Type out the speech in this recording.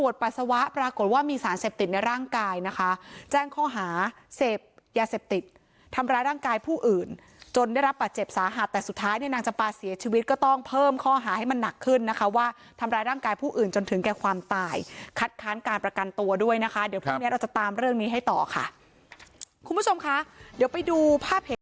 ยาเสพติดทำร้ายร่างกายผู้อื่นจนได้รับป่าเจ็บสาหัสแต่สุดท้ายนางจำปาเสียชีวิตก็ต้องเพิ่มข้อหาให้มันหนักขึ้นนะคะว่าทำร้ายร่างกายผู้อื่นจนถึงแก่ความตายคัดค้านการประกันตัวด้วยนะคะเดี๋ยวพรุ่งนี้เราจะตามเรื่องนี้ให้ต่อค่ะคุณผู้ชมค่ะเดี๋ยวไปดูภาพ